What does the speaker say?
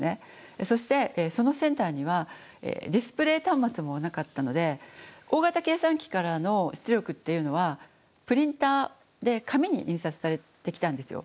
そしてそのセンターにはディスプレー端末もなかったので大型計算機からの出力っていうのはプリンターで紙に印刷されてきたんですよ。